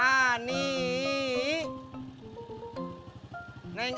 emang ga kerja